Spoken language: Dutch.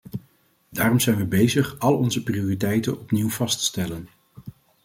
Daarom zijn we bezig al onze prioriteiten opnieuw vast te stellen.